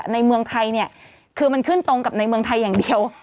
ในเมืองไทย